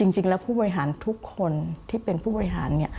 จริงแล้วผู้บริหารทุกคนที่เป็นผู้บริหารเนี่ย